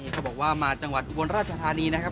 เขาบอกว่ามาจังหวัดอุบลราชธานีนะครับ